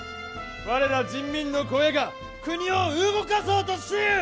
我ら人民の声が国を動かそうとしゆう！